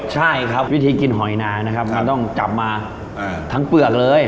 ใช่ครับวิธีกินหอยนานะครับมันต้องจับมาทั้งเปลือกเลย